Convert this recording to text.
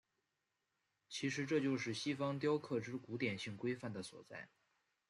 其实这就是西方雕刻之古典性规范的所在。